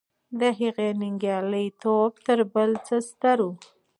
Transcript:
د هغې ننګیالی توب تر بل څه ستر و.